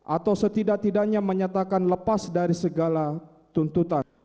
atau setidak tidaknya menyatakan lepas dari segala tuntutan